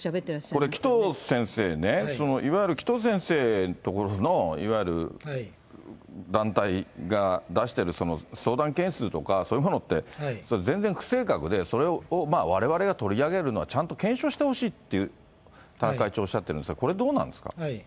これ、紀藤先生ね、いわゆる紀藤先生の所のいわゆる団体が出してる相談件数とか、そういうものって、全然不正確で、それをわれわれが取り上げるのはちゃんと検証してほしいって、田中会長、おっしゃってるんですが、これ、どうなんですか。